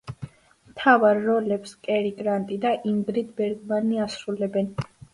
მთავარ როლებს კერი გრანტი და ინგრიდ ბერგმანი ასრულებენ.